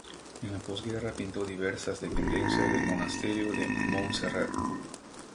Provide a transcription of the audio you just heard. En la posguerra pintó diversas dependencias del monasterio de Montserrat.